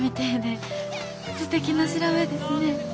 すてきな調べですねえ。